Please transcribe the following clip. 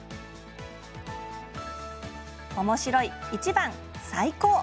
おもしろい、１番、最高。